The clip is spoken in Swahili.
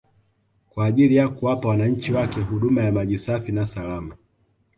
kwa ajili ya kuwapa wananchi wake huduma ya maji safi na salama